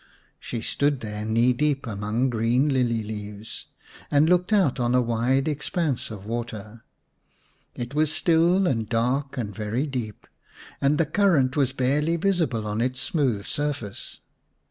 She stood there, knee deep among green lily leaves, and looked out on a wide expanse of water. It was still and dark and very deep, and the current was barely visible on its smooth surface.